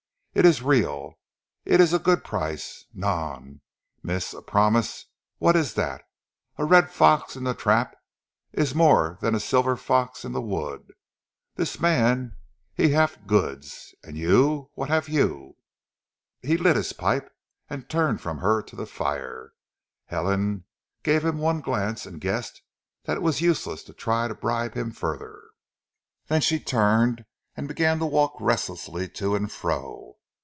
Eet ees real! Eet ees a good price! Non! mees; a promise what ees dat? A red fox in zee trap ees more dan a silvaire fox in zee wood. Dis man half zee goods, an' you what haf you?" He lit his pipe and turned from her to the fire. Helen gave him one glance and guessed that it was useless to try to bribe him further, then she turned and began to walk restlessly to and fro.